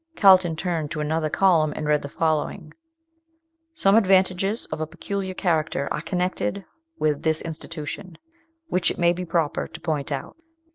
Carlton turned to another column, and read the following: "Some advantages of a peculiar character are connected with this institution, which it may be proper to point out.